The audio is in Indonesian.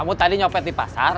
kamu tadi nyopet di pasar